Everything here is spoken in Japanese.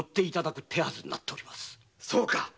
そうか。